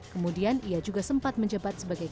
kemudian ia juga sempat menjabat sebagai